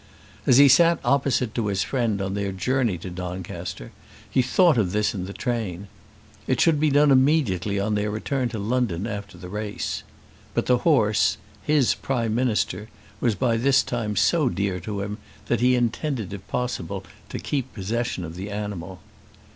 As he sat opposite to his friend on their journey to Doncaster, he thought of this in the train. It should be done immediately on their return to London after the race. But the horse, his Prime Minister, was by this time so dear to him that he intended if possible to keep possession of the animal.